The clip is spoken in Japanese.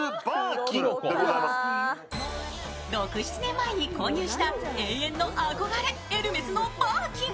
６７年前に購入した永遠の憧れ、エルメスのバーキン。